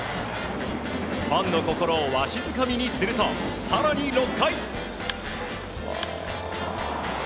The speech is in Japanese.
ファンの心をわしづかみにすると更に６回。